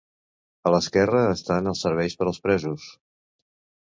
A l'esquerra estan els serveis per als presos.